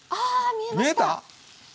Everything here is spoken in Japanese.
見えた？